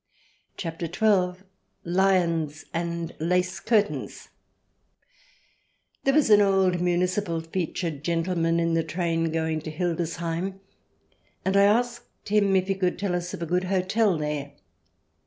CHAPTER XII LIONS AND LACE CURTAINS There was an old municipal featured gentleman in the train going to Hildesheim, and I asked him if he could tell us of a good hotel there.